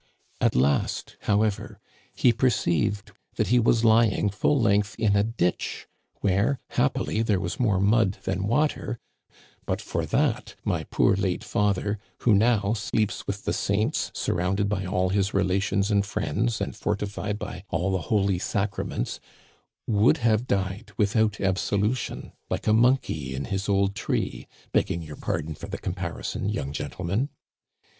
At last, however, he perceived that he was lying full length in a ditch where, happily, there was more mud than water ; but for that my poor, late father, who now sleeps with the saints, surrounded by all his relations and friends, and fortified by all the holy sacraments, would have died without ab solution, like a monkey in his old tree, begging your pardon for the comparison, young gentlemen.